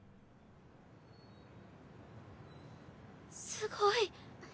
すごい。